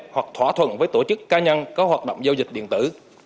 hoặc thỏa thuận với tổ chức ca nhân có hoạt động giao dịch điện tử